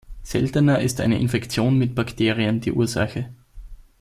Seltener ist eine Infektion mit Bakterien die Ursache.